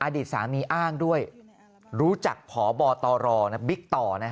อดีตสามีอ้างด้วยรู้จักพบตรบิ๊กต่อ